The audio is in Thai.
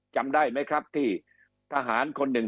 คำอภิปรายของสอสอพักเก้าไกลคนหนึ่ง